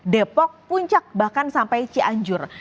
depok puncak bahkan sampai cianjur